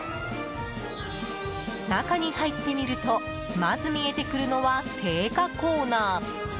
中に入ってみるとまず見えてくるのは青果コーナー。